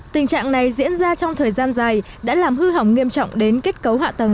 tình trạng này diễn ra trong thời gian dài đã làm hư hỏng nghiêm trọng đến kết cấu hạ tầng